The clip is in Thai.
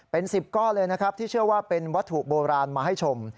เป็น๑๐ก้อนเลยนะครับที่เชื่อว่าเป็นวัตถุโบราณมาให้ชม